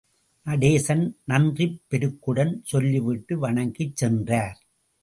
நடேசன் நன்றிப்பெருக்குடன் சொல்லிவிட்டு வணங்கிச் சென்றார்.